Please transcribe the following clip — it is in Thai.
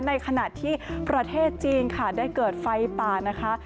ในขณะที่ประเทศจีนค่ะได้เกิดไฟป่านะคะ